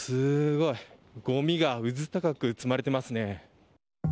ごみがうずたかく積まれていますね。